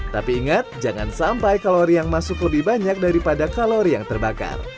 tapi ingat jangan sampai kalori yang masuk lebih banyak daripada kalori yang terbakar